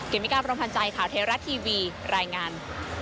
เมกาพรมพันธ์ใจข่าวเทราะทีวีรายงาน